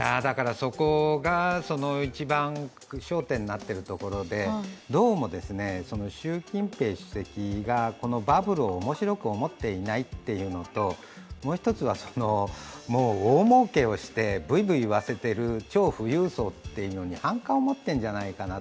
そこが一番焦点になってるところで、どうも習近平主席がバブルを面白く思っていないというのと、もう一つは、もう大もうけをして、ブイブイ言わせている超富裕そうっていう反感を持ってるんじゃないかな。